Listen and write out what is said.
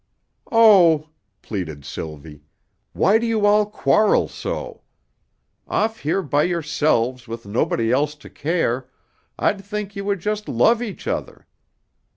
"Oh," pleaded Sylvie, "why do you all quarrel so? Off here by yourselves with nobody else to care, I'd think you would just love each other.